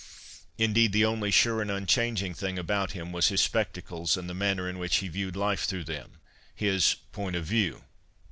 Indeed, the only sure and unchanging thing about him was his spectacles and the manner in which he viewed life through them — his point of view.